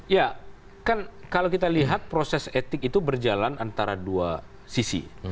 ya kan kalau kita lihat proses etik itu berjalan antara dua sisi